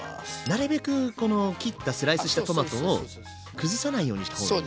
なるべくこの切ったスライスしたトマトを崩さないようにした方がいい。